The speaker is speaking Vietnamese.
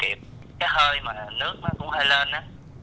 cái hơi mà nước nó cũng hơi lên á